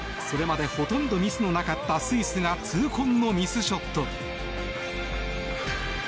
それまでほとんどミスのなかったスイスが痛恨のミスショット。